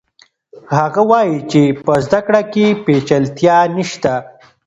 هغه وایي چې په زده کړه کې پیچلتیا نشته.